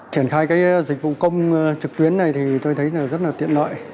triển khai cái dịch vụ công trực tuyến này thì tôi thấy là rất là tiện lợi